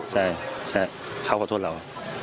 บ๊าซใช่เขาขอโทษเรา